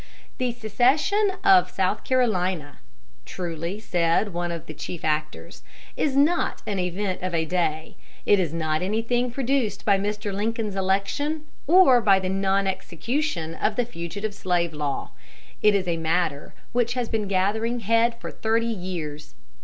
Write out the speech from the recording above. "The secession of South Carolina," truly said one of the chief actors, "is not an event of a day. It is not anything produced by Mr. Lincoln's election, or by the non execution of the fugitive slave law. It is a matter which has been gathering head for thirty years."